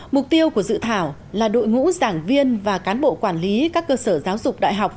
mục tiêu của dự thảo là đội ngũ giảng viên và cán bộ quản lý các cơ sở giáo dục đại học